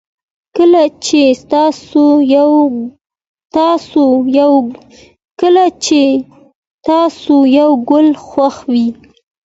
کله چې تاسو یو گل خوښوئ